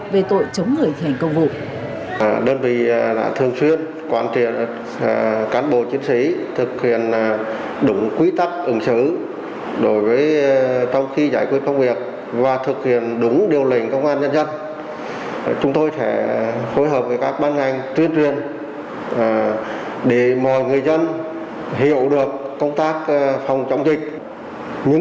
về tội chống người thi hành công vụ